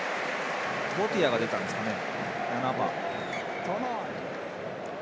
ボティアが出たんですかね。